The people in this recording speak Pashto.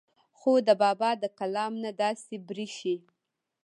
خو د بابا د کلام نه داسې بريښي